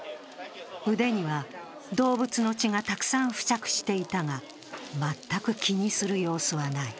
腕には、動物の血がたくさん付着していたが全く気にする様子はない。